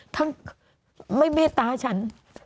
ทั้งไม่เมตตาฉัน